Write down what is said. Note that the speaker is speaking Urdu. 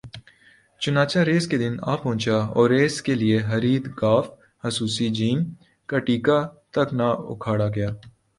چناچہ ریس کا دن آپہنچا اور ریس کے لیے خرید گ خصوصی ج کا ٹیکہ تک نا اکھاڑا گیا